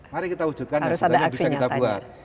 mari kita wujudkan yang bisa kita buat